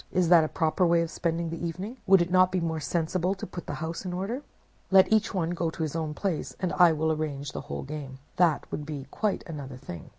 Is that a proper way of spending the evening? Would it not be more sensible to put the house in order? Let each one go to his own place, and I will arrange the whole game. That would be quite another thing.